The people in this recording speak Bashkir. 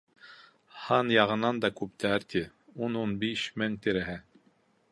— Һан яғынан да күптәр, ти, ун-ун биш мең тирәһе...